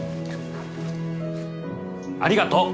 ありがとう！